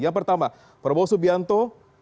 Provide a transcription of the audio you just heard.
yang pertama prabowo subianto